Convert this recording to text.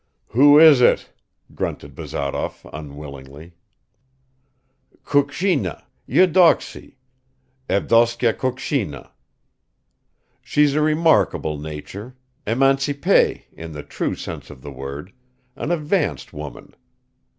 "Who is it?" grunted Bazarov unwillingly. "Kukshina, Eudoxie, Evdoksya Kukshina. She's a remarkable nature, émancipeé in the true sense of the word, an advanced woman.